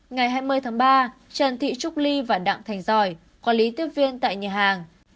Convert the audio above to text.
ngày hai mươi tháng ba trần thị trúc ly và đặng thành giỏi có lý tiếp viên tại nhà hàng